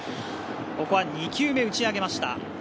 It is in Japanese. ここは２球目を打ち上げました。